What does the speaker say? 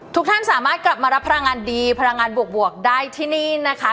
ทุกท่านสามารถกลับมารับพลังงานดีพลังงานบวกได้ที่นี่นะคะ